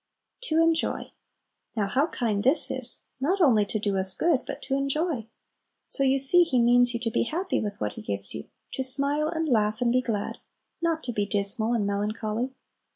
"To enjoy." Now how kind this is! not only "to do us good," but "to enjoy." So you see He means you to be happy with what He gives you, to smile and laugh and be glad, not to be dismal and melancholy.